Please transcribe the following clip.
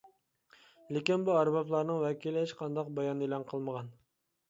لېكىن بۇ ئەربابلارنىڭ ۋەكىلى ھېچقانداق بايان ئېلان قىلمىغان.